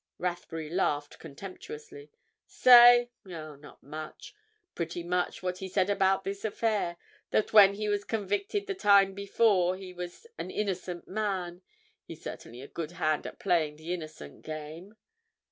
Rathbury laughed contemptuously. "Say? Oh, not much. Pretty much what he said about this affair—that when he was convicted the time before he was an innocent man. He's certainly a good hand at playing the innocent game."